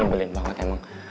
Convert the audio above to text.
ini belin banget emang